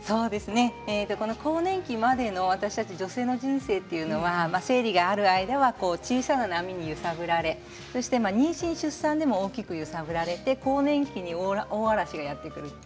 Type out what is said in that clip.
この更年期までの私たち女性の人生というのは生理がある間は小さな波に揺さぶられ妊娠、出産でも大きく揺さぶられて更年期に大嵐がやって来る。